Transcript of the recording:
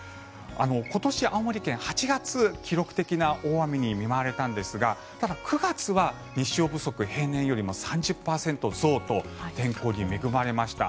今年、青森県は８月、記録的な大雨に見舞われたんですがただ、９月は日照不足平年よりも３０％増と天候に恵まれました。